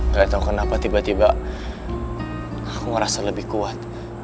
gak tau kenapa tiba tiba aku ngerasa lebih kuat